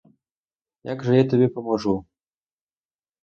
Як же я тобі поможу?